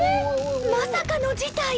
まさかの事態！